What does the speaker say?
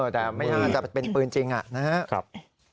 แต่ไม่น่าจะเป็นปืนจริงนะครับ